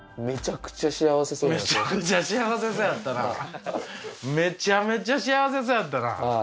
めちゃめちゃ幸せそうやったな！